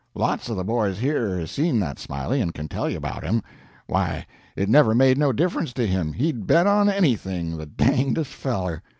Lots of the boys here has seen that Smiley, and can tell you about him. Why, it never made no difference to him he'd bet on any thing the dangdest feller.